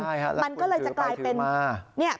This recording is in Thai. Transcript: ใช่ค่ะแล้วคุณถือไปถือมา